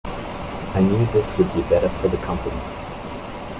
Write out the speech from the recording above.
I knew this would be better for the company.